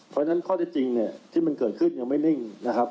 เพราะฉะนั้นข้อที่จริงเนี่ยที่มันเกิดขึ้นยังไม่นิ่งนะครับ